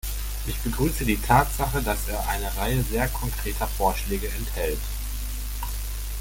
Ich begrüße die Tatsache, dass er eine Reihe sehr konkreter Vorschläge enthält.